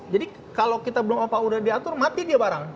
jadi kalau kita belum apa apa udah diatur mati dia barang